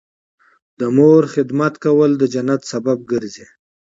د مور خدمت کول د جنت سبب ګرځي